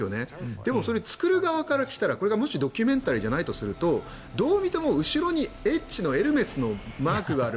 でも、これ作る側からしたらこれがドキュメンタリーじゃないとしたらどう見ても後ろにＨのエルメスのマークがある。